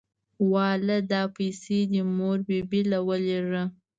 واله دا پيسې دې مور بي بي له ولېږه.